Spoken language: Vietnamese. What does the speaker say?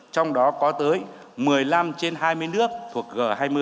trong đó có tới một mươi năm trên hai mươi nước thuộc g hai mươi